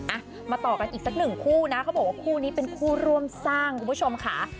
อ่ะมาต่อกันอีกสักหนึ่งคู่นะเขาบอกว่าคู่นี้เป็นคู่ร่วมสร้างคุณผู้ชมค่ะ